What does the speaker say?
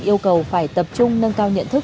yêu cầu phải tập trung nâng cao nhận thức